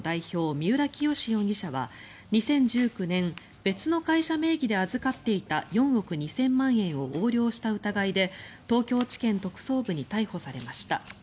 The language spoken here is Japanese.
三浦清志容疑者は２０１９年別の会社名義で預かっていた４億２０００万円を横領した疑いで東京地検特捜部に逮捕されました。